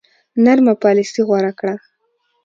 نرمه پالیسي غوره کړه.